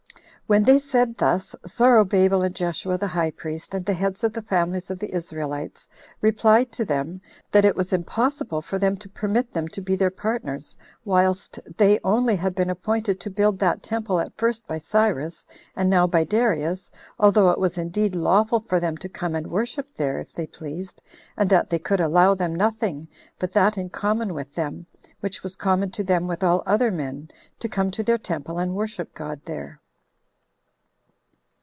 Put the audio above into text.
When they said thus, Zorobabel and Jeshua the high priest, and the heads of the families of the Israelites, replied to them, that it was impossible for them to permit them to be their partners, whilst they [only] had been appointed to build that temple at first by Cyrus, and now by Darius, although it was indeed lawful for them to come and worship there if they pleased, and that they could allow them nothing but that in common with them, which was common to them with all other men, to come to their temple and worship God there.